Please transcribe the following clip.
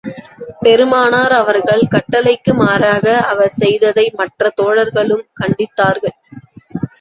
பெருமானார் அவர்கள் கட்டளைக்கு மாறாக அவர் செய்ததை, மற்ற தோழர்களும் கண்டித்தார்கள்.